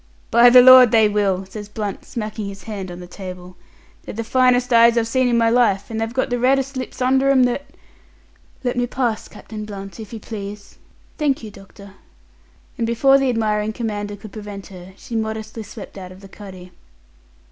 "By the Lord, they will!" says Blunt, smacking his hand on the table. "They're the finest eyes I've seen in my life, and they've got the reddest lips under 'm that " "Let me pass, Captain Blunt, if you please. Thank you, doctor." And before the admiring commander could prevent her, she modestly swept out of the cuddy.